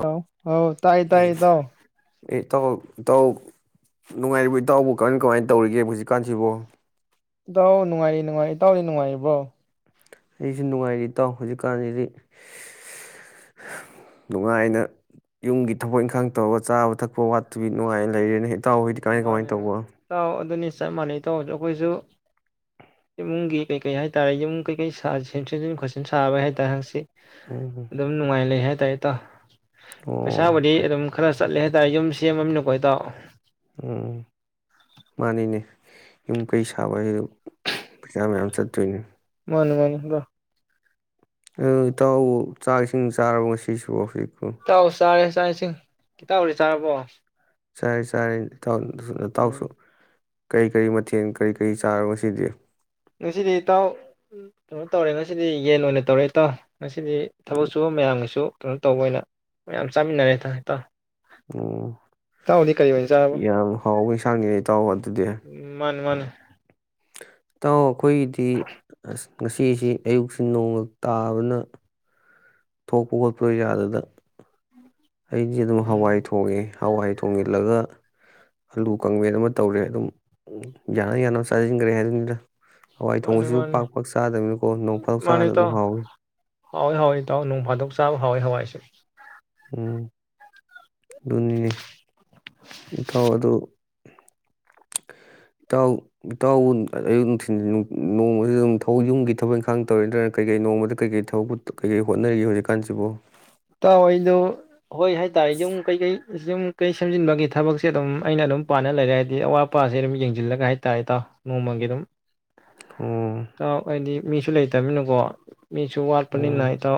ꯍꯥꯎ ꯍ ꯇꯥꯏ ꯇꯥꯏ ꯇ ꯑꯥꯎ ꯑꯦ ꯏꯇꯥꯎ ꯏꯇꯥꯎ ꯅꯨꯡꯉꯥꯏꯔꯤꯕ ꯏꯇꯥꯎꯕꯨ ꯀꯃꯥꯏ ꯀꯃꯥꯏꯅ ꯇꯧꯔꯤꯒꯦ ꯍꯧꯖꯤꯛꯀꯥꯟꯁꯤꯕꯣ ꯏꯇꯥꯎ ꯅꯨꯡꯉꯥꯏꯔꯤ ꯅꯨꯡꯉꯥꯏꯔꯤ ꯏꯇꯥꯎꯅꯤ ꯅꯨꯡꯉꯥꯏꯔꯤꯕꯣ ꯑꯩꯁꯨ ꯅꯨꯡꯉꯥꯏꯔꯤꯇꯥꯎ ꯍꯧꯖꯤꯛꯀꯥꯟꯁꯤꯗꯤ ꯅꯨꯡꯉꯥꯏꯅ ꯌꯨꯝꯒꯤ ꯊꯕꯛ ꯏꯪꯈꯥꯡ ꯇꯧꯔꯒ ꯆꯥꯕ ꯊꯛꯄ ꯋꯥꯠꯇꯕꯤ ꯅꯨꯡꯉꯥꯏꯅ ꯂꯩꯔꯦꯅ ꯇꯥꯎꯣꯏꯗꯤ ꯀꯃꯥꯏ ꯃꯥꯅꯦ ꯀꯃꯥꯏꯅ ꯇꯧꯕ ꯏꯇꯥꯎ ꯑꯗꯨꯅꯤ ꯆꯞ ꯃꯥꯟꯅꯩ ꯇꯧꯕꯗꯣ ꯑꯩꯈꯣꯏꯁꯨ ꯏꯃꯨꯡꯒꯤ ꯀꯩꯀꯩ ꯍꯥꯏꯇꯥꯔꯦ ꯌꯨꯝ ꯀꯩꯀꯩ ꯁꯦꯝꯖꯤꯟ ꯈꯣꯠꯆꯤꯟ ꯁꯥꯕꯩ ꯍꯥꯏꯇꯥꯔꯦ ꯍꯪꯁꯤ ꯎꯝ ꯑꯗꯨꯝ ꯅꯨꯡꯉꯥꯏ ꯂꯩ ꯍꯥꯏ ꯥꯏ [unintelligible] ꯑꯣ ꯄꯩꯁꯥꯕꯨꯗꯤ ꯐꯩ ꯑꯗꯨꯝ ꯈꯔ ꯆꯠꯂꯦ ꯍꯥꯏꯇꯥꯔꯦ ꯌꯨꯝ ꯁꯦꯝꯃꯃꯤꯅꯀꯣ ꯍꯥꯏꯇꯥꯥꯎ ꯎꯝ ꯃꯥꯅꯤꯅꯦ ꯌꯨꯝ ꯀꯩ ꯁꯥꯕ ꯍꯥꯏꯗ ꯄꯩꯁꯥ ꯃꯌꯥꯝ ꯆꯠꯇꯣꯏꯅꯦ ꯃꯥꯅꯤ ꯃꯥꯅꯤ ꯂ [unintelligible] ꯑ ꯏꯇꯥꯎ ꯆꯥꯛ ꯏꯁꯤꯡ ꯆꯥꯔꯕ ꯉꯁꯤꯁꯨ ꯍꯧꯖꯤꯛ ꯇꯥꯎꯁꯔꯦ ꯏꯆꯥꯥꯛ ꯏꯁꯤꯡ ꯏꯇꯧꯗꯤꯆꯥꯔꯕꯣ ꯆꯔꯦ ꯆꯔꯦ ꯏꯇꯥꯎ ꯑꯗꯨ ꯇꯥꯎꯁꯨ ꯎꯝ ꯀꯔꯤ ꯀꯔꯤ ꯃꯊꯦꯜ ꯀꯔꯤ ꯀꯔꯤ ꯆꯥꯔ ꯉꯁꯤꯗꯤ ꯉꯁꯤꯗꯤ ꯏꯇꯥꯎ ꯀꯩꯅꯣ ꯇꯧꯔꯦ ꯉꯁꯤꯗꯤ ꯌꯦꯟ ꯑꯣꯏꯅ ꯇꯧꯔꯦ ꯏꯇꯥꯎ ꯉꯁꯤꯗꯤ ꯊꯕꯛ ꯁꯨꯕ ꯃꯌꯥꯝꯒꯤꯁꯨ ꯀꯩꯅꯣ ꯇꯧꯕ ꯑꯣꯏꯅ ꯃꯌꯥꯝ ꯆꯥꯃꯤꯟꯅꯔꯦ ꯍꯥꯏꯇꯥ ꯍꯥꯏꯇꯥꯔꯦ ꯎꯝ ꯑꯣꯏꯅ ꯆꯥꯔꯕ ꯌꯥꯝ ꯍꯥꯎꯕ ꯏꯟꯁꯥꯡꯅꯤ ꯑꯩ ꯏꯇꯥꯎꯕ ꯑꯗꯨꯗꯤ ꯎꯝ ꯃꯥꯅꯤ ꯃꯥꯅꯤ ꯇꯥꯎ ꯑꯩꯈꯣꯏꯒꯤꯗꯤ ꯑꯁ ꯉꯁꯤꯁꯤ ꯑꯌꯨꯛꯁꯤ ꯅꯣꯡꯒ ꯇꯥꯕꯅ ꯊꯣꯛꯄ ꯈꯣꯠꯄ ꯌꯥꯗꯅ ꯑꯩꯗꯤ ꯑꯗꯨꯝ ꯍꯋꯥꯏ ꯎꯝ ꯊꯣꯡꯉꯦ ꯍꯋꯥꯏ ꯊꯣꯡ ꯏꯜꯂꯒ ꯑꯂꯨ ꯀꯥꯡꯕꯦꯟ ꯑꯃ ꯇꯧꯔꯦ ꯑꯗꯨꯝ ꯌꯥꯅ ꯌꯥꯅꯕ ꯆꯥꯁꯤꯟꯈ꯭ꯔꯦ ꯍꯥꯏꯗꯨꯅꯤꯗ ꯍꯋꯥꯏ ꯃꯥꯅꯤ ꯊꯣꯡꯁꯨ ꯃꯥꯅꯤ ꯄꯥꯛ ꯄꯥꯛ ꯆꯥꯗꯕꯅꯤꯀꯣ ꯅꯣꯡ ꯐꯔꯧ ꯆꯥ ꯀꯥꯟꯅ ꯑꯗꯨꯝ ꯍꯥꯎꯏꯤ ꯍꯥꯎꯋꯏ ꯍꯥꯎꯏ ꯏꯇꯥꯎ ꯅꯣꯡ ꯐꯥꯗꯣꯛ ꯆꯥꯕ ꯍꯥꯎꯋꯏ ꯍꯋꯥꯏꯁꯦ ꯎꯝ ꯑꯗꯨꯅꯤꯅꯦ ꯍꯥꯎ ꯑꯗꯨ ꯏꯇꯥꯎ ꯏꯇꯥꯎ ꯑꯌꯨꯛ ꯅꯨꯡꯊꯤꯜ ꯅꯣꯡꯃꯁꯤ ꯑꯗꯨꯝ ꯊꯕꯛ ꯌꯨꯝꯒꯤ ꯊꯕꯛ ꯏꯪꯈꯥꯡ ꯇꯧꯔꯤ ꯅꯠꯇ꯭ꯔꯅ ꯀꯩꯀꯩ ꯅꯣꯡꯃꯗ ꯀꯩꯀꯩ ꯊꯕꯛ ꯀꯩꯀꯩ ꯍꯣꯠꯅꯔꯤꯒꯦ ꯍꯧꯖꯤꯛꯀꯥꯟꯁꯤꯕꯨ ꯇ ꯑꯣꯏꯣꯏꯗꯨ ꯍꯣꯏ ꯍꯥꯏꯇꯥꯔꯦ ꯌꯨꯝ ꯀꯩꯀꯩ ꯁꯨꯝ ꯀꯩ ꯁꯦꯝꯖꯤꯟꯕꯒꯤ ꯊꯕꯛꯁꯦ ꯑꯗꯨꯝ ꯑꯩꯅ ꯑꯗꯨꯝ ꯄꯥꯅ ꯂꯩꯔꯦ ꯍꯥꯏꯗꯤ ꯑꯋꯥꯠ ꯑꯄꯥꯁꯦ ꯑꯗꯨꯝ ꯌꯦꯡꯁꯤꯜꯂꯒ ꯍꯥꯏꯇꯥꯥꯔꯦꯇꯥꯎ ꯅꯣꯡꯃꯒꯤ ꯑꯗꯨꯝ ꯑꯣ ꯀ ꯑꯅꯤ ꯃꯤꯁꯨ ꯂꯩꯇꯃꯤꯅꯀꯣ ꯃꯤꯁꯨ ꯋꯥꯠꯄꯅꯤꯅ ꯎꯝ ꯇ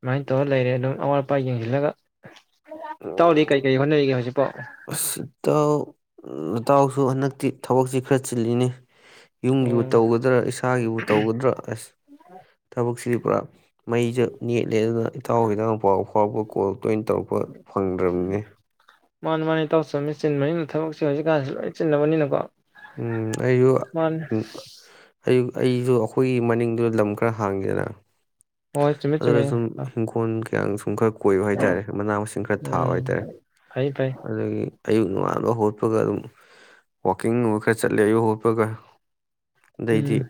ꯁꯃꯥꯏꯅ ꯇꯧꯔ ꯂꯩꯔꯦ ꯑꯗꯨꯝ ꯑꯋꯥꯠ ꯑꯄꯥ ꯌꯦꯡꯁꯤꯜꯂꯒ ꯇꯧꯔꯤ ꯀꯔꯤ ꯀꯔꯤ ꯍꯣꯠꯅꯔꯤꯒꯦ ꯍꯧꯖꯤꯛ ꯑꯇꯥꯎ ꯏꯇꯥꯎꯁꯨ ꯍꯟꯗꯛꯇꯤ ꯊꯕꯛꯁꯤ ꯈꯔ ꯆꯤꯜꯂꯤꯅꯤ ꯌꯨꯝꯒꯤꯕꯨ ꯑꯣ ꯇꯧꯒꯗ꯭ꯔꯥ ꯏꯁꯥꯒꯤꯕꯨ ꯇꯧꯒꯗ꯭ꯔꯥ ꯑꯁ ꯊꯕꯛꯁꯤꯗꯤ ꯄꯨꯔꯥ ꯃꯩꯁ ꯅꯦꯠꯂꯦ ꯑꯗꯨꯅ ꯇꯥꯎꯈꯤꯗꯪ ꯄꯥꯎ ꯐꯥꯎꯕ ꯀꯣꯜ ꯇꯣꯏꯅ ꯇꯧꯔꯛꯄ ꯐꯪꯗ꯭ꯔꯕꯅꯤ ꯃꯥꯅꯤ ꯃꯥꯅꯦ ꯇꯧ ꯆꯃꯤ ꯆꯤꯟꯕꯅꯤꯅ ꯊꯕꯛꯁꯦ ꯍꯧꯖꯤꯛꯀꯥꯟꯁꯤꯦ ꯂꯣꯏ ꯆꯤꯟꯅꯕꯅꯤꯅꯀꯣ ꯎꯝ ꯑꯨ ꯃꯥꯅꯤ ꯑꯨ ꯑꯩꯁꯨ ꯑꯩꯈꯣꯏꯒꯤ ꯃꯅꯤꯡꯗꯨꯗ ꯂꯝ ꯈꯔ ꯍꯥꯡꯉꯦꯗꯅ ꯍꯣꯏ ꯆꯨꯝꯃꯤ ꯑꯗꯨꯗ ꯆꯨꯝꯃꯤ ꯁꯨꯝ ꯏꯤꯡꯈꯣꯜ ꯀꯌꯥ ꯑꯣꯀ [unintelligible] ꯀꯣꯏꯕ ꯍꯥꯏꯇꯥꯔꯦ ꯃꯅꯥ ꯃꯁꯤꯡ ꯈꯔ ꯊꯥꯕ ꯎꯝ ꯍꯥꯏꯇꯥꯔꯦ ꯐꯩ ꯐꯩ ꯑꯗꯨꯗꯒꯤ ꯑꯌꯨꯛ ꯉꯉꯥꯟꯕ ꯍꯣꯠꯄꯒ ꯑꯗꯨꯝ ꯋꯥꯋꯥꯛꯀꯤꯡ ꯈꯔ ꯆꯠꯂꯦ ꯑꯌꯨ ꯍꯣꯠꯄꯒ ꯎꯝ ꯗꯩꯗꯞ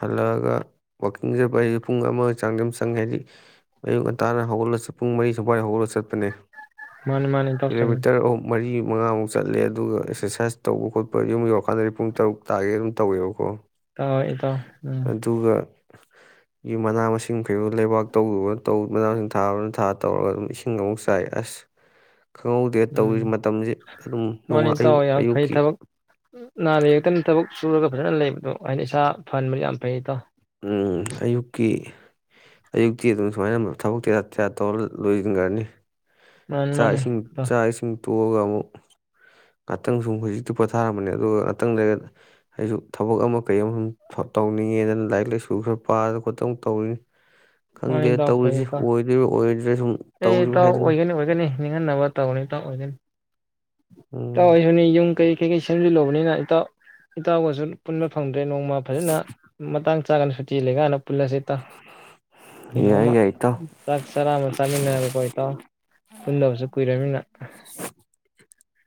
ꯍꯜꯂꯛꯑꯒ ꯋꯥꯛꯀꯤꯡ ꯆꯠꯄ ꯑꯩꯁ ꯄꯨꯡ ꯑꯃꯒꯤꯒ ꯆꯥꯡꯗꯤ ꯑꯗꯨꯝ ꯆꯪꯉꯦ ꯍꯥꯏꯗꯤ ꯑꯌꯨ ꯉꯟꯇꯥꯅ ꯍꯧꯒꯠꯂ ꯄꯨꯡ ꯃꯔꯤ ꯁꯨꯋꯥꯥꯏꯗ ꯍꯧꯒꯠꯂꯒ ꯆꯠꯄꯅꯦ ꯃꯥꯅꯤ ꯃꯥꯅꯤ ꯏꯇꯥꯎ ꯆꯨꯝꯃꯤ ꯀꯤꯂꯣꯃꯤꯇꯔ ꯑꯣ ꯃꯔꯤ ꯃꯉꯥꯃꯨꯛ ꯆꯠꯂꯦ ꯑꯗꯨꯒ ꯑꯦꯛꯁꯔꯁꯥꯏꯁ ꯇꯧꯕ ꯈꯣꯠꯄ ꯌꯨꯝ ꯌꯧꯔꯀꯥꯟꯗꯗꯤ ꯄꯨꯡ ꯇꯔꯨꯛ ꯇꯥꯒꯦ ꯑꯗꯨꯝ ꯇꯧꯋꯦꯕꯀꯣ ꯍ ꯍ ꯏꯇꯣ ꯎꯝ ꯌ ꯃꯅꯥ ꯃꯁꯤꯡ ꯐꯩꯔ ꯂꯩꯕꯥꯛ ꯇꯧꯗꯕꯅꯧ ꯃꯅꯥ ꯃꯁꯤꯡ ꯊꯥꯕꯅ ꯊꯥ ꯇꯧꯔꯒ ꯑꯗꯨꯝ ꯏꯁꯤꯡ ꯑꯃꯨꯛ ꯆꯥꯏ ꯑꯁ ꯈꯪꯍꯧꯗꯦ ꯇꯧꯔꯤ ꯎꯝ ꯃꯇꯝꯁꯦ ꯑꯗꯨꯝ ꯅꯣꯡ ꯃꯥꯅꯤ ꯑꯌꯨꯛ ꯏꯇꯥꯎ ꯌꯥꯝ ꯐꯩ ꯑꯌꯨꯛꯀꯤ ꯊꯕꯛ ꯅꯥ ꯌꯦ ꯌꯦꯛꯇꯅ ꯊꯕꯛ ꯆꯨꯔꯒ ꯐꯖꯅ ꯂꯩꯕꯗꯣ ꯑꯩꯅ ꯏꯁꯥ ꯐꯍꯟꯕꯅꯤ ꯌꯥꯝ ꯐꯩꯇꯣ ꯎꯝ ꯑꯌꯨꯛꯀꯤ ꯑꯌꯨꯛꯇꯤ ꯑꯗꯨꯝ ꯁꯨꯃꯥꯏꯅ ꯊꯕꯛꯤꯔ ꯇꯦꯔ ꯇꯧꯔ ꯂꯣꯏꯁꯤꯟꯈ꯭ꯔꯅꯤ ꯃꯥꯅꯤ ꯆꯥꯛ ꯃꯥꯅꯤ ꯏꯁꯤꯡ ꯏꯇꯥꯎ ꯆꯥꯛ ꯏꯁꯤꯡ ꯇꯣꯛꯑꯒ ꯑꯃꯨꯛ ꯉꯥꯛꯇꯪ ꯁꯨꯝ ꯍꯧꯖꯤꯛꯇꯤ ꯄꯣꯊꯥꯔꯝꯕꯅꯦ ꯑꯗꯨꯒ ꯉꯥꯛꯇꯪꯗ ꯑꯩꯁꯨ ꯊꯕꯛ ꯑꯃ ꯀꯩ ꯑꯃ ꯁꯨꯝ ꯇꯧꯅꯤꯡꯉꯦꯗꯅ ꯂꯥꯏꯔꯤꯛ ꯂꯛ ꯂꯥꯏꯁꯨ ꯈꯔ ꯄꯥꯔꯒ ꯈꯠꯇꯪ ꯇꯧꯔꯤꯅꯤ ꯃꯥꯅꯤ ꯈꯪꯗꯦ ꯏꯇꯥꯎ ꯐꯩ ꯇꯧꯔꯤꯁꯤ ꯏꯇꯥꯎ ꯑꯣꯏꯗꯣꯏꯔꯤꯕ ꯑꯣꯏ ꯑꯦ ꯏꯇꯥꯎ ꯑꯣꯏꯒꯅꯤ ꯑꯣꯏꯒꯅꯤ ꯅꯤꯡꯍꯟꯅꯕ ꯇꯧꯅꯤ ꯇ ꯑꯣꯏꯒꯅꯤ ꯎꯝ ꯇꯋꯥꯅꯤ ꯌꯦ ꯀꯩ ꯀꯩꯀꯩ ꯁꯦꯝꯖꯤꯜꯂꯨꯕꯅꯤꯅ ꯏꯇꯥꯎ ꯏꯇꯥꯎꯒꯁꯨ ꯄꯨꯟꯕ ꯐꯪꯕ ꯅꯣꯡꯃ ꯐꯖꯅ ꯃꯇꯥꯡ ꯆꯒꯅꯨꯤ ꯂꯩꯒꯅ ꯄꯨꯜꯂꯁꯦ ꯇ ꯌꯥꯏ ꯀꯩꯅꯣꯝꯃ ꯌꯥꯏ ꯏꯇꯥꯎ ꯆꯥꯛ ꯆꯥꯔꯥ ꯇꯥꯃꯤꯜꯒ ꯄ ꯇ ꯐꯨꯜꯂꯕꯁꯨ ꯀꯨꯏꯔꯃꯤꯅ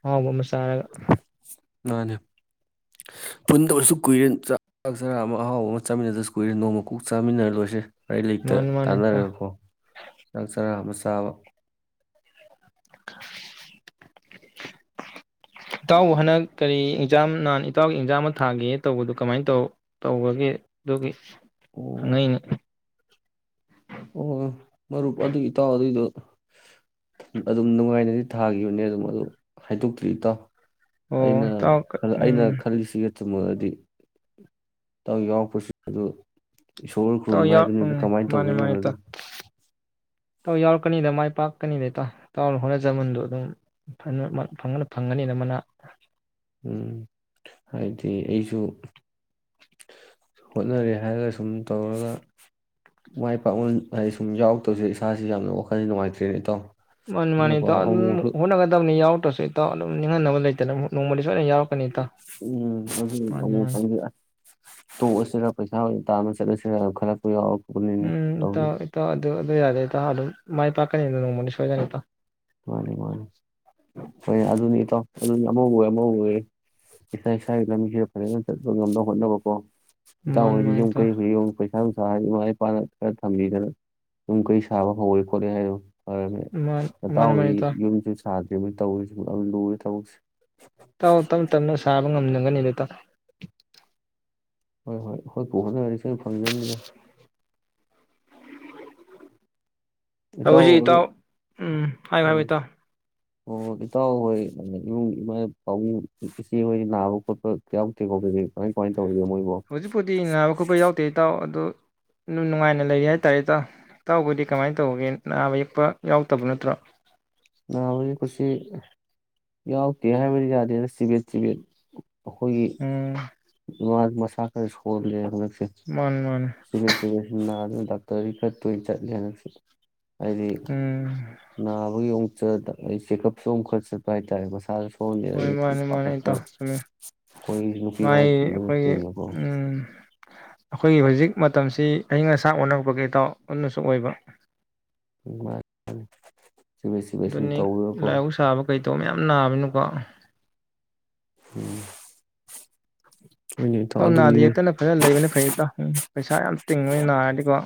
ꯍꯥꯎꯕ ꯃꯥ [inaudible] ꯅꯍꯥꯅꯦ ꯄꯨꯟꯗ ꯑꯣꯏꯔꯁꯨ ꯀꯨꯏꯔꯦ ꯆꯥꯛ ꯆꯔꯥ ꯑꯃ ꯑꯍꯥꯎꯕ ꯑꯃ ꯆꯥꯃꯤꯟꯅꯗꯁꯨ ꯀꯨꯏꯔꯦ ꯅꯣꯡꯃ ꯀꯣꯛ ꯆꯥꯃꯤꯟꯅꯔ ꯂꯣꯏꯔꯦ ꯍꯩ ꯂꯩꯇ ꯃꯥꯅꯤ ꯃꯥꯅꯤ ꯏꯇꯥꯎ ꯇꯥꯟꯅꯔꯒꯀꯣ ꯆꯥꯛ ꯆꯔꯥ ꯑꯃ ꯇꯕ [inaudible] ꯇꯥꯎꯎ ꯍꯅ ꯀꯔꯤ ꯑꯦꯟꯖꯥꯝ ꯅꯍꯥꯟ ꯏꯇꯥꯎꯒꯤ ꯑꯦꯟꯖꯥꯝ ꯑꯃ ꯊꯥꯒꯦ ꯇꯧꯕꯗꯨ ꯀꯃꯥꯏꯅ ꯇꯧ ꯇꯧꯕꯒꯦ ꯑꯗꯨꯒꯤ ꯑꯣ ꯑꯉꯥꯏꯅꯦ ꯑꯣ ꯃꯔꯨꯞ ꯑꯗꯨ ꯏꯇꯥꯎ ꯑꯗꯨꯏꯗꯣ ꯑꯗꯨꯝ ꯅꯨꯡꯉꯥꯏꯅꯗꯤ ꯊꯥꯈꯤꯕꯅꯦ ꯑꯗꯨꯝ ꯑꯗꯨ ꯍꯥꯏꯗꯣꯛꯇ꯭ꯔꯤ ꯏꯇꯥꯎ ꯑꯩꯅ ꯑꯣ ꯏꯇꯥꯎ ꯑꯩꯅ ꯎꯝ ꯈꯜꯂꯤꯁꯤꯒ ꯆꯠꯇꯃꯗꯤ ꯌꯥꯎꯔꯛꯄꯁꯤ ꯑꯗꯨ ꯏꯁꯣꯔ ꯈꯨꯔꯨꯝ ꯏꯇꯥꯎ ꯌꯥꯎ ꯍꯥꯏꯗꯨꯅꯤꯗ ꯀꯃꯥꯏꯅ ꯇꯧꯗꯣꯏꯅꯣ ꯍꯥꯏꯗꯣ ꯇ ꯌꯥꯎꯔꯛꯀꯅꯤꯗ ꯃꯥꯏ ꯄꯥꯛꯀꯅꯤꯗꯇ ꯇ ꯍꯣꯠꯅꯖꯃꯟꯗꯣ ꯑꯗꯨꯝ ꯐꯪꯒꯅꯤꯅ ꯃꯅꯥ ꯎꯝ ꯍꯥꯏꯗꯤ ꯑꯩꯁꯨ ꯍꯣꯠꯅꯔꯦ ꯍꯥꯏꯔꯒ ꯁꯨꯝ ꯇꯧꯔꯒ ꯃꯥꯏ ꯄꯥꯛꯅ ꯍꯥꯏꯗꯤ ꯁꯨꯝ ꯌꯥꯎꯔꯛꯇꯕꯁꯦ ꯏꯁꯥꯁꯤ ꯌꯥꯝꯅ ꯋꯥꯈꯜ ꯅꯨꯡꯉꯥꯏꯇ꯭ꯔꯦꯅꯦ ꯏꯇꯥꯎ ꯃꯕꯤ ꯃꯥꯅꯤ ꯑꯗꯨꯅꯀꯣ ꯑꯗꯨꯝ ꯑꯃꯨꯛꯁꯨ ꯍꯣꯠꯅꯒꯗꯕꯅꯤ ꯌꯥꯥꯎ ꯐꯁꯨ ꯏꯇꯥꯎ ꯑꯗꯨꯝ ꯅꯤꯡꯍꯟꯅꯕ ꯂꯩꯇꯅ ꯅꯣꯡꯃꯗꯤ ꯁꯣꯏꯅ ꯌꯥꯎ ꯎꯝ ꯐ ꯃꯥꯅꯤ [unintelligible] ꯇꯨ ꯑꯁꯤꯗ ꯄꯩꯁꯥ ꯑꯣꯏ ꯇꯥꯅ ꯆꯠ ꯑꯁꯤꯗ ꯈꯔ ꯀꯎ ꯎꯝ ꯏ ꯇ ꯏ ꯇꯥꯎ ꯑꯗꯨ ꯑꯗꯨ ꯌꯥꯗꯦ ꯏ ꯑꯗꯨꯝ ꯃꯥꯏ ꯄꯥꯛꯀꯅꯤꯗ ꯅꯣꯡꯃꯅꯤ ꯁꯣꯏꯗꯅꯤ ꯃꯥꯅꯤ ꯃꯥꯅꯤ ꯐꯣꯏ ꯑꯗꯨꯅꯤ ꯏꯇꯣ ꯑꯗꯨꯅꯤ ꯑꯃ ꯍꯧꯋꯦ ꯏꯁꯥ ꯏꯁꯥꯒꯤ ꯂꯝꯕꯤꯁꯦ ꯐꯖꯅ ꯆꯠꯄ ꯉꯝꯅꯕ ꯍꯣꯠꯅꯕꯀꯣ ꯗꯥ ꯃꯥꯅꯤ ꯍꯣꯏꯔꯤ ꯃꯥꯅꯤ ꯌ ꯏꯇꯥꯎ ꯀꯩ ꯍ ꯀꯩ ꯁꯥꯅꯨꯡꯁꯥ ꯏꯃꯥ ꯏꯄꯥꯅ ꯈꯔ ꯊꯝꯕꯤꯗꯅ ꯁꯨꯝ ꯀꯩ ꯁꯥꯕ ꯍꯧꯔꯦ ꯈꯣꯠꯂꯦ ꯍꯥꯏꯗꯣ ꯐꯔꯥꯅꯤ ꯃꯥꯅꯤ ꯃꯥꯅꯤ ꯑꯇꯥꯎꯋꯤ ꯃꯥꯅꯤ ꯏꯇꯥꯎ ꯌꯨꯝꯁꯤ ꯁꯥ ꯇꯧ ꯂꯔ ꯇꯧ ꯇꯥꯎ ꯇꯞ ꯇꯞꯅ ꯁꯥꯕ ꯉꯝꯅꯒꯅꯤꯗꯇꯥꯎ ꯍꯣꯏ ꯍꯣꯏ ꯍꯣꯏ ꯄꯣꯍꯅꯔꯤ ꯁ ꯐꯪꯖꯅꯤꯗ ꯍꯧꯖꯤꯛ ꯏꯇꯥꯎ ꯎꯝ ꯎꯝ ꯍꯥꯏꯌꯨ ꯍꯥꯏꯌꯨ ꯎꯝ ꯏꯇꯥꯎ ꯑꯣ ꯏꯇꯥꯎ ꯍꯣꯏ ꯏꯃꯨꯡ ꯏꯃꯥ ꯏꯄꯥꯕꯨꯡ ꯏꯆꯦ ꯍꯣꯏꯗꯤ ꯅꯥꯕ ꯈꯣꯠꯄ ꯌꯥꯎꯗꯦꯀꯣ ꯀꯩ ꯀꯩ ꯀꯃꯥꯏ ꯀꯃꯥꯏ ꯍꯧꯖꯤꯛꯄꯨꯗꯤ ꯅꯥꯥꯕ ꯈꯣꯠꯄ ꯌꯥꯎꯗꯦ ꯏꯇꯥꯎ ꯑꯗꯣ ꯑꯗꯨ ꯅꯨꯡꯉꯥꯏꯅ ꯂꯩꯔꯤ ꯍꯥꯏ ꯇꯥꯔꯦ ꯏꯇꯥꯎ ꯏꯇꯥꯎꯕꯨꯗꯤ ꯀꯃꯥꯏꯅ ꯇꯧꯒꯦ ꯅꯥꯕ ꯌꯦꯛꯄ ꯌꯥꯎꯗꯕ ꯅꯠꯇ꯭ꯔꯣ ꯅꯥꯕꯒꯤ ꯈꯣꯏꯁꯤ ꯌꯥꯎꯗꯦ ꯍꯥꯏꯕꯗꯤ ꯌꯥꯗꯦ ꯆꯤꯕꯦꯠ ꯆꯤꯕꯦꯠ ꯑꯩꯈꯣꯏꯒꯤ ꯎꯝ ꯏꯃꯥ ꯃꯁꯥ ꯈꯔ ꯁꯣꯟꯂꯦꯕ ꯁꯦ ꯃꯥꯅꯤ ꯃꯥꯅꯤ ꯆꯤꯕꯦꯠ ꯆꯤꯕꯦꯠ ꯁꯨꯝ ꯅꯥ ꯑꯗꯨ ꯗꯥꯛꯇꯔꯗꯤ ꯈꯔ ꯇꯣꯏꯅ ꯆꯠꯂꯦ ꯍꯟꯗꯛꯁꯨ ꯍꯥꯏꯗꯤ ꯎꯝ ꯅꯥꯕꯒꯤ ꯑꯃꯨꯛ ꯆꯦꯛꯑꯞꯁꯨ ꯈꯔ ꯆꯠꯄ ꯍꯥꯏꯇꯥꯔꯦ ꯃꯁꯥ ꯍꯣꯏ ꯃꯥꯅꯤ ꯃꯥꯅꯤ ꯄꯥꯈꯠꯇꯅ ꯏꯇꯥꯎ ꯆꯨꯝꯃꯤ ꯈꯣꯏꯒꯤ ꯅꯨꯄꯤ ꯑꯉꯥꯡ ꯃꯥꯏ ꯊꯤꯕ ꯑꯩꯈꯣꯏꯒꯤ ꯅꯠꯇ꯭ꯔꯤꯅꯀꯣ ꯎꯝ ꯑꯩꯈꯣꯏꯒꯤ ꯍꯧꯖꯤꯛ ꯃꯇꯝꯁꯤ ꯑꯏꯪ ꯑꯁꯥ ꯑꯣꯟꯅꯔꯛꯄꯒꯤ ꯏꯇꯥꯎ ꯑꯗꯨꯅꯁꯨ ꯑꯣꯏꯕ ꯃꯥ ꯆꯤꯕꯦꯠ ꯆꯤꯕꯦꯠ ꯁꯨꯝ ꯑꯗꯨꯅꯤ ꯇꯧꯔꯒꯀꯣ ꯂꯥꯏꯍꯧ ꯁꯥꯕ ꯀꯩ ꯇꯧꯕ ꯃꯌꯥꯝ ꯅꯥꯕꯅꯤꯅꯀꯣ ꯎꯝ ꯍꯣꯏꯅꯦ ꯏꯇꯥꯎ ꯥꯏꯇꯥꯎ ꯅꯥꯗ ꯑꯗꯨꯅꯤꯅꯦ ꯌꯦꯛꯇꯅ ꯐꯖꯅ ꯂꯩꯕꯅ ꯐꯩ ꯏꯇꯥꯎ ꯄꯩꯁꯥ ꯌꯥꯝ ꯇꯤꯡꯕꯅꯤ ꯅꯥꯔꯗꯤꯀꯣ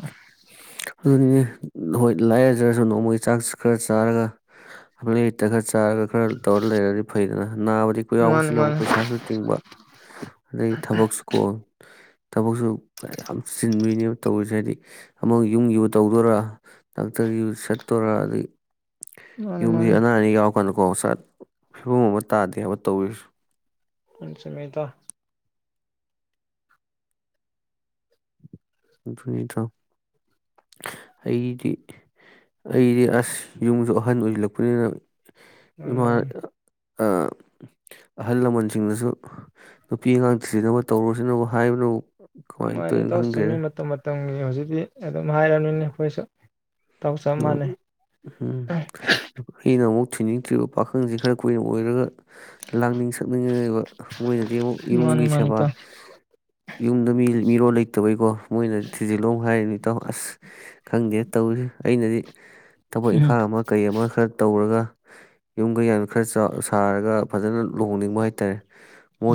ꯑꯗꯨꯅꯤꯅꯦ ꯍꯣꯏ ꯂꯥꯏꯔꯖ꯭ꯔꯁꯨ ꯅꯣꯡꯃꯒꯤ ꯆꯥꯛꯁꯨ ꯈꯔ ꯆꯥꯔꯒ ꯑꯔꯩ ꯂꯩꯇ ꯈꯔ ꯆꯥꯔꯒ ꯈꯔ ꯇꯧꯔ ꯂꯩꯔꯗꯤ ꯐꯩꯗꯅ ꯅꯥꯕꯗꯤ ꯑꯈꯣꯏ ꯃꯥꯅꯤ ꯌꯥꯎꯕꯁꯤꯅ ꯃꯥꯅꯤ ꯑꯃꯨꯛ ꯄꯩꯁꯥꯁꯨ ꯇꯤꯡꯕ ꯑꯗꯗꯒꯤ ꯊꯕꯛꯁꯨ ꯀꯣꯟ ꯊꯕꯛꯁꯨ ꯌꯥꯝ ꯆꯤꯟꯗꯣꯏꯅꯦꯕ ꯇꯧꯔꯤꯁꯦ ꯍꯥꯏꯗꯤ ꯌꯨꯝꯒꯤꯕꯨ ꯇꯧꯗꯣꯏꯔꯥ ꯗꯥꯛꯇꯔꯒꯤꯕꯨ ꯆꯠꯇꯣꯏꯔ ꯑꯗꯩ ꯃꯥꯅꯤ ꯌꯨꯝꯁꯤ ꯃꯥꯅꯤ ꯑꯅꯥ ꯑꯅꯦꯛ ꯌꯥꯎ ꯀꯣꯏꯅ ꯀꯣ ꯐꯤꯕꯝ ꯑꯃ ꯇꯥꯗꯦ ꯍꯥꯏꯕ ꯇꯧꯕꯤꯔꯁꯨ ꯎꯝ ꯆꯨꯝꯃꯤ ꯏꯇꯥꯎ ꯑꯗꯨꯅꯤ ꯏꯇꯥꯎ ꯑꯩꯒꯤ ꯑꯩꯗꯤ ꯑꯁ ꯌꯨꯝꯁꯨ ꯑꯍꯟ ꯑꯣꯏꯁꯤꯜꯂꯛꯄꯅꯤꯅ ꯃꯥꯅꯤ ꯏꯃꯥ ꯃꯥꯅꯤ ꯑꯍꯜ ꯂꯃꯟꯁꯤꯡꯗꯁꯨ ꯅꯨꯄꯤ ꯑꯉꯥꯡ ꯊꯤꯖꯤꯟꯅꯕ ꯇꯧꯔꯁꯤꯅꯕꯨ ꯍꯥꯏꯕꯁꯤꯅꯕꯨ ꯃꯥꯅꯤ ꯏꯇꯥꯎ ꯆꯨꯝꯃꯦ ꯃꯅꯝ ꯃ ꯃꯇꯝꯒꯤ ꯍꯧꯖꯤꯛꯇꯤ ꯑꯗꯨꯝ ꯍꯥꯏꯔꯕꯅꯤꯅꯦ ꯑꯩꯈꯣꯏꯁꯨ ꯏꯇꯥꯎ ꯆꯞ ꯑꯣ ꯃꯥꯟꯅꯩ ꯎꯝ ꯑꯩꯅ ꯑꯃꯨꯛ ꯊꯤꯅꯤꯡꯇ꯭ꯔꯤꯕ ꯄꯥꯈꯪꯁꯤ ꯈꯔ ꯀꯨꯏꯅ ꯑꯣꯏꯔꯒ ꯂꯥꯡꯅꯤꯡ ꯁꯛꯅꯤꯡꯉꯦꯕ ꯃꯣꯏꯅꯗꯤ ꯑꯃꯨꯛ ꯃꯥꯅꯤ ꯌꯨꯝꯒꯤ ꯃꯥꯅꯤ ꯁꯦꯕꯥ ꯏꯇꯥꯎ ꯌꯨꯝꯗ ꯃꯤ ꯃꯤꯔꯣꯜ ꯂꯩꯇꯕꯩꯀꯣ ꯃꯣꯏꯅꯗꯤ ꯊꯤꯖꯤꯜꯂꯣ ꯑꯃꯨꯛ ꯍꯥꯏꯔꯅꯤ ꯇꯧ ꯑꯁ ꯈꯪꯗꯦ ꯇꯧꯁꯤ ꯑꯩꯅꯗꯤ ꯊꯕꯛ ꯎꯝ ꯏꯪꯈꯥꯡ ꯑꯃ ꯀꯩ ꯑꯃ ꯈꯔ ꯇꯧꯔꯒ ꯌꯨꯝ ꯀꯩ ꯌꯥꯝ ꯈꯔ ꯁꯥꯔꯒ ꯐꯖꯅ ꯂꯨꯍꯣꯡꯅꯤꯡꯕ ꯍꯥꯏꯇꯥꯔꯦ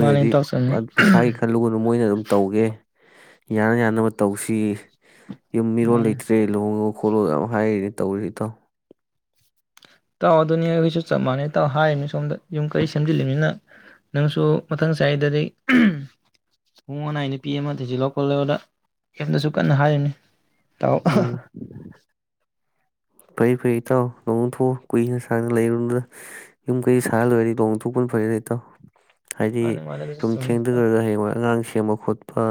ꯃꯥꯅꯤ ꯏꯇꯥꯎ ꯆꯨꯝꯃꯤ ꯄꯩꯁꯥꯒꯤ ꯈꯜꯂꯨꯒꯨꯅꯨ ꯃꯣꯏꯅ ꯑꯗꯨꯝ ꯇꯧꯒꯦ ꯌꯥꯅ ꯌꯥꯅꯕ ꯇꯧꯁꯤ ꯌꯨꯝ ꯃꯤꯔꯣꯜ ꯃꯥꯅꯤ ꯂꯩꯇ꯭ꯔꯦ ꯂꯨꯍꯣꯡꯉꯣꯛ ꯄꯣꯠꯂꯣꯗ ꯌꯥꯝ ꯍꯥꯏꯔꯤꯅꯦ ꯇꯧꯔꯤꯁꯤꯇꯥꯎ ꯇꯥꯎ ꯑꯗꯨꯅꯤ ꯑꯩꯈꯣꯏꯁꯨ ꯆꯞ ꯃꯥꯟꯅꯩ ꯇꯥꯎ ꯍꯥꯏꯔꯤꯅꯤ ꯁꯣꯝꯗ ꯌꯨꯝ ꯀꯩ ꯁꯦꯝꯖꯤꯜꯂꯤꯕꯅꯤꯅ ꯅꯪꯁꯨ ꯃꯊꯪ ꯆꯍꯤꯗꯗꯤ ꯊꯣꯡ ꯑꯅꯥꯏ ꯅꯨꯄꯤ ꯑꯃ ꯊꯤꯖꯤꯜꯂ ꯈꯣꯠꯂꯗ ꯀꯩꯝꯇꯁꯨ ꯀꯟꯅ ꯍꯥꯏꯔꯤꯅꯤ ꯇꯥꯎ ꯎꯝ ꯐꯩ ꯐꯩ ꯏꯇꯥꯎ ꯂꯣꯡꯣꯡꯊꯣꯛꯎ ꯀꯨꯏꯅ ꯁꯥꯡꯅ ꯂꯩꯔꯨꯗꯅ ꯌꯨꯝ ꯀꯩ ꯁꯥꯥꯡꯅ ꯂꯣꯏꯔꯗꯤ ꯂꯣꯡꯣꯡꯊꯣꯛꯄꯅ ꯐꯔ ꯂꯩ ꯏꯇꯥꯎ ꯍꯥꯏꯗꯤ ꯃꯥꯅꯤ ꯃꯥꯅꯤ ꯑꯗꯨꯁꯨ ꯁꯨꯝ ꯆꯨꯝꯃꯤ ꯏꯇꯥꯎ ꯊꯦꯡꯗꯈꯔꯒ ꯍꯌꯦꯡꯉꯣꯏ ꯑꯉꯥꯡꯁꯤꯡ ꯁꯦꯝꯕ ꯈꯣꯠꯄ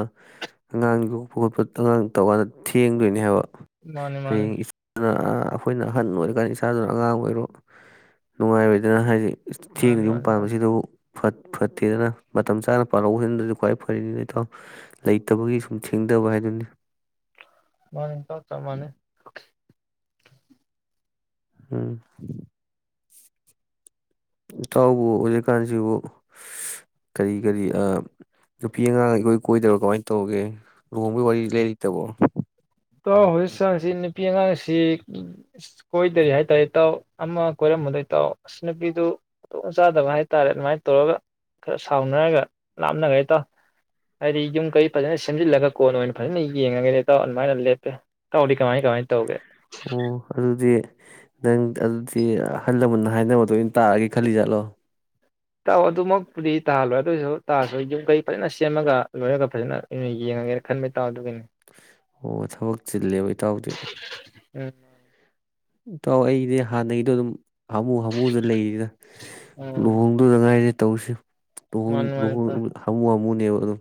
ꯑꯉꯥꯡ ꯌꯣꯛꯄ ꯈꯣꯠꯄ ꯑꯉꯥꯡ ꯇꯧꯀꯥꯟꯗ ꯊꯦꯡꯗꯣꯏꯅꯦ ꯍꯥꯏꯕ ꯃꯥꯅꯦ ꯃꯥꯅꯦ ꯍꯌꯦꯡ ꯏꯆꯥꯗꯨꯅ ꯑꯩꯈꯣꯏꯅ ꯑꯍꯟ ꯑꯣꯏꯔꯀꯥꯟꯗ ꯏꯁꯆꯥꯗꯨꯅ ꯑꯉꯥꯡ ꯑꯣꯏꯔꯣ ꯅꯨꯡꯉꯥꯏꯔꯣꯏꯗꯅ ꯍꯥꯏꯁꯤ ꯆꯦꯡꯅ ꯃꯥꯅꯤ ꯌꯨꯝ ꯃꯥꯅꯤ ꯏꯇꯥꯎ ꯄꯥꯟꯕꯁꯤ ꯑꯗꯨꯕꯨ ꯐꯠ ꯐꯠꯇꯦꯗꯅ ꯃꯇꯝ ꯆꯥꯅ ꯄꯥꯜꯍꯧꯁꯤꯗꯁꯨ ꯈ꯭ꯋꯥꯏ ꯐꯔꯤꯅꯤ ꯏꯇꯥꯎ ꯂꯩꯇꯕꯒꯤ ꯁꯨꯝ ꯊꯦꯡꯗꯕ ꯍꯥꯏꯗꯨꯅꯤ ꯃꯥꯅꯦ ꯆ ꯆ ꯃꯥꯅꯦ ꯎꯝ ꯏꯇꯥꯎꯕꯨ ꯍꯧꯖꯤꯛꯀꯥꯟꯁꯤꯕꯨ ꯀꯔꯤ ꯀꯔꯤ ꯅꯨꯄꯤ ꯑꯉꯥꯡ ꯑꯩꯈꯣꯏ ꯀꯣꯏꯗꯕ ꯀꯃꯥꯏꯅ ꯇꯧꯒꯦ ꯂꯨꯍꯣꯡꯕꯒꯤ ꯋꯥꯔꯤ ꯂꯩꯔꯤꯇꯕꯣ ꯏꯇꯥꯎ ꯍꯧꯖꯤꯛ ꯆꯥꯡꯁꯤ ꯅꯨꯄꯤ ꯑꯉꯥꯡꯁꯤ ꯀꯣꯏꯗꯔꯤ ꯍꯥꯏꯇꯥꯔꯦ ꯏꯇꯥꯎ ꯑꯃ ꯀꯣꯏꯔꯝꯃꯗꯣꯏ ꯇꯥꯎ ꯑꯁ ꯅꯨꯄꯤꯗꯨ ꯈꯨꯗꯣꯡ ꯆꯥꯗꯕ ꯍꯥꯏꯇꯥꯔꯦ ꯑꯗꯨꯃꯥꯏꯅ ꯇꯧꯔꯒ ꯈꯔ ꯁꯥꯎꯅꯔꯒ ꯂꯥꯞꯅꯈꯦ ꯇꯥꯎ ꯍꯥꯏꯗꯤ ꯌꯨꯝ ꯀꯩ ꯐꯖꯅ ꯁꯦꯝꯖꯤꯜꯂꯒ ꯀꯣꯟ ꯑꯣꯏꯅ ꯐꯖꯅ ꯌꯦꯡꯉꯒꯅꯦꯇꯥꯎ ꯀꯃꯥꯏꯅ ꯂꯦꯞꯄꯦ ꯇꯧꯔꯤ ꯀꯃꯥꯏ ꯀꯃꯥꯏꯅ ꯇꯧꯒꯦ ꯑꯣ ꯑꯗꯨꯗꯤ ꯅꯪ ꯑꯗꯨꯗꯤ ꯑꯍꯜ ꯂꯃꯟꯅ ꯍꯥꯏꯅꯕꯗꯣ ꯑ ꯑꯣꯏꯅ ꯇꯥꯔꯒꯦ ꯈꯜꯂꯤ ꯆꯠꯂꯣ ꯇꯥꯎ ꯑꯗꯨꯃꯛꯄꯨꯗꯤ ꯇꯥꯍꯜꯂꯣꯏ ꯑꯗꯨ ꯑꯣꯏꯔꯁꯨ ꯇꯥꯔꯁꯨ ꯌꯨꯝꯈꯩ ꯐꯖꯅ ꯁꯦꯝꯃꯒ ꯂꯣꯏꯔꯒ ꯐꯖꯅ ꯌꯦꯡꯉꯒꯦꯅ ꯈꯟꯕꯩ ꯇꯥꯎꯑꯣ ꯑꯗꯨꯒꯤꯅꯦ ꯑꯣ ꯊꯕꯛ ꯆꯤꯜꯂꯦꯕ ꯇꯎꯗꯦ ꯎꯝ ꯏꯇꯥꯎ ꯑꯩꯗꯤ ꯍꯥꯟꯅꯒꯤꯗꯣ ꯑꯗꯨꯝ ꯍꯥꯃꯨ ꯍꯥꯃꯨꯗ ꯂꯩꯔꯤꯗ ꯎꯝ ꯂꯨꯍꯣꯡꯗꯨꯗ ꯉꯥꯏꯔꯦ ꯇꯧꯁꯤ ꯇꯍꯨꯝ ꯃꯥꯅꯤ ꯃꯥꯅꯤ ꯏꯇꯥꯎ ꯇꯍ ꯍꯝꯨꯨ ꯑꯗꯨ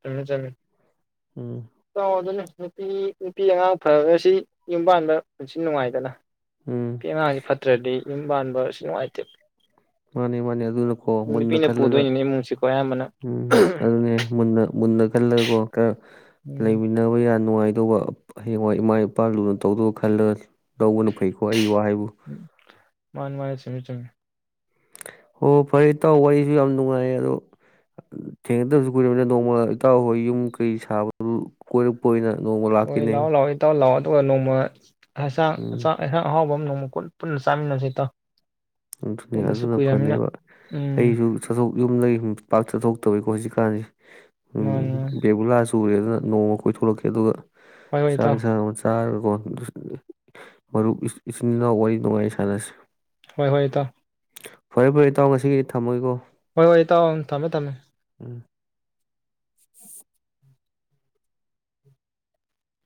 ꯊꯃꯦ ꯆꯃꯦ ꯎꯝ ꯑꯣ ꯑꯗꯨꯅꯦ ꯅꯨꯄꯤ ꯅꯨꯄꯤ ꯑꯉꯥꯡ ꯐꯕꯁꯤ ꯌꯨꯝꯕꯥꯗ ꯄꯨꯟꯁꯤ ꯅꯨꯡꯉꯥꯏꯗꯅ ꯎꯝ ꯀꯃꯖꯤ ꯐꯠꯇꯔꯦꯗꯤ ꯌꯨꯝ ꯄꯥꯟꯕꯁꯨ ꯅꯨꯡꯉꯥꯏꯇꯦꯕ ꯃꯥꯅꯦ ꯃꯥꯅꯦ ꯑꯗꯨꯅꯀꯣ ꯃꯨꯟꯅ ꯅꯨꯄꯤꯅ ꯈꯜꯂꯒ ꯄꯨꯗꯣꯏꯅꯤꯅꯦ ꯏꯃꯨꯡꯁꯤꯀꯣ ꯑꯌꯥꯝꯕꯅ ꯎꯝ ꯑꯗꯨꯅꯦ ꯃꯨꯟꯅ ꯃꯨꯟꯅ ꯈꯜꯂꯒꯀꯣ ꯈꯔ ꯎꯝ ꯂꯩꯃꯤꯟꯅꯕ ꯌꯥꯅꯤ ꯅꯨꯡꯉꯥꯏꯗꯧꯕ ꯍꯌꯦꯡꯋꯥꯏ ꯏꯃꯥ ꯏꯄꯥ ꯂꯨꯅ ꯇꯧꯗꯧꯕ ꯈꯜꯂꯒ ꯂꯧꯕꯅ ꯐꯩꯀꯣ ꯑꯩ ꯋꯥ ꯍꯥꯏꯕꯨ ꯃꯥꯅꯤ ꯃꯥꯥꯟꯅꯤ ꯆꯨꯃꯤ ꯆꯨꯝꯃꯤ ꯍꯣ ꯐꯔꯦ ꯏꯇꯥꯎ ꯋꯥꯔꯤꯁꯨ ꯌꯥꯝ ꯅꯨꯡꯉꯥꯏ ꯑꯗꯣ ꯊꯦꯡꯅꯗꯕꯁꯨ ꯀꯨꯏꯔꯕꯅꯤꯅ ꯅꯣꯡꯃ ꯏꯇꯥꯎ ꯍꯣꯏ ꯌꯨꯝ ꯀꯩ ꯁꯥꯕꯗꯨ ꯀꯣꯏꯔꯛꯄ ꯑꯣꯏꯅ ꯅꯣꯡꯃ ꯍꯣꯏ ꯂꯛꯑꯣ ꯂꯥꯛꯀꯦꯅꯦ ꯂꯥꯛꯑꯣ ꯏꯇꯥꯎ ꯂꯛꯑꯣ ꯑꯗꯨꯒ ꯅꯣꯡꯃ ꯍ ꯆꯥꯛ ꯎꯝ ꯆꯥꯛ ꯏꯟꯁꯥꯡ ꯑꯍꯥꯎꯕ ꯑꯃ ꯅꯣꯡꯃ ꯀꯣꯟ ꯄꯨꯟꯅ ꯆꯃꯤꯟꯅꯁꯦ ꯏꯇꯥꯎ ꯑꯗꯨꯅꯤ ꯎꯗꯁꯨ ꯑꯗꯨꯅ ꯀꯨꯏꯔꯃꯤꯅ ꯐꯅꯦꯕ ꯎꯝ ꯑꯩꯁꯨ ꯆꯥꯠꯊꯣꯛ ꯌꯨꯝꯗꯒꯤ ꯁꯨꯝ ꯄꯥꯛ ꯆꯠꯊꯣꯛꯇꯕꯩꯀꯣ ꯍꯧꯖꯤꯛꯀꯥꯟꯁꯤ ꯎꯝ ꯃꯥꯅꯤ ꯃꯥꯅꯤ ꯕꯦꯕꯨꯂꯥ ꯆꯨ ꯇꯨꯔꯦ ꯑꯗꯨꯅ ꯅꯣꯡꯃ ꯀꯣꯏꯊꯂꯛꯀꯦ ꯑꯗꯨꯒ ꯍꯣꯏ ꯍꯣꯏ ꯆꯥꯛ ꯏꯇꯥꯎ ꯏꯟꯁꯥꯡ ꯑꯃ ꯆꯥꯔ [unintelligible] ꯃꯔꯨꯞ ꯏꯆꯤ ꯏꯆꯤꯟ ꯏꯅꯥꯎ ꯋꯥꯔꯤ ꯅꯨꯡꯉꯥꯏ ꯁꯥꯟꯅꯁꯤ ꯍꯣꯏ ꯍꯣꯏ ꯏꯇꯥꯎ ꯐꯔꯦ ꯐꯔꯦ ꯏꯇꯥꯎ ꯉꯁꯤꯒꯤꯗꯤ ꯊꯝꯃꯒꯦꯀꯣ ꯍꯣꯏ ꯍꯣꯏ ꯏꯇꯥꯎ ꯎꯝ ꯊꯝꯃꯦ ꯊꯝꯃꯦ [inaudible]